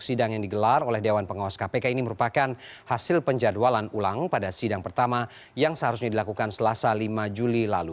sidang yang digelar oleh dewan pengawas kpk ini merupakan hasil penjadwalan ulang pada sidang pertama yang seharusnya dilakukan selasa lima juli lalu